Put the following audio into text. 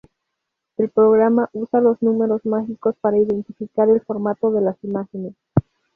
El programa usa los números mágicos para identificar el formato de las imágenes.